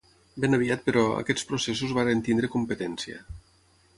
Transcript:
Ben aviat, però, aquests processos varen tenir competència.